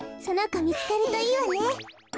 そのこみつかるといいわね。